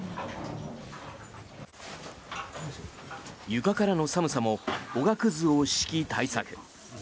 床からの寒さもおがくずを敷き対策。